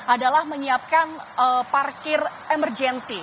adalah menyiapkan parkir emergensi